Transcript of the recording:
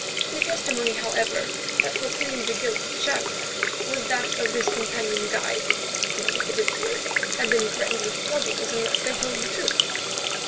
The testimony, however, that proclaimed the guilt of Shadrach was that of his companion guides, who, it appeared, had been threatened with floggings unless they told the truth.